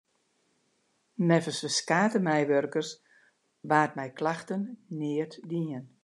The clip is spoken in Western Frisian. Neffens ferskate meiwurkers waard mei klachten neat dien.